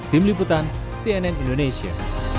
tim liputan cnn indonesia